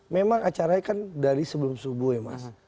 memang acaranya kan dari sebelum subuh ya mas